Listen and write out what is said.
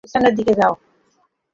পেছনের দিকে যাও!